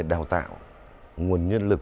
đào tạo nguồn nhân lực